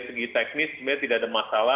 segi teknis sebenarnya tidak ada masalah